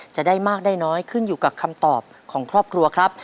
จะได้มากได้น้อยขึ้นอยู่กับคำตอบของครอบครัวครับ